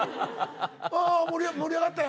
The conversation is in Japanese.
ああ盛り上がったよ